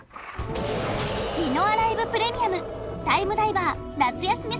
ディノアライブ・プレミアムタイムダイバー夏休み